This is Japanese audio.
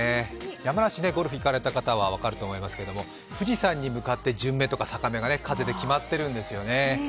山梨、ゴルフ行かれた方は分かると思うんですが富士山に向かって順目とか逆目が決まっているんですよね。